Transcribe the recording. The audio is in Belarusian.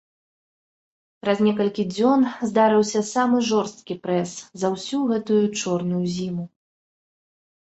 Праз некалькі дзён здарыўся самы жорсткі прэс за ўсю гэтую чорную зіму.